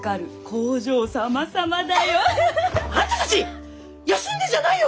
工場様々だよ！あんたたち休んでんじゃないよ！